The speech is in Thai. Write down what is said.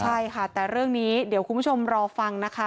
ใช่ค่ะแต่เรื่องนี้เดี๋ยวคุณผู้ชมรอฟังนะคะ